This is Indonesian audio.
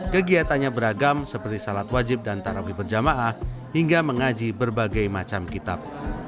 kegiatannya beragam seperti salat wajib dan tarawih berjamaah hingga mengaji berbagai macam kitab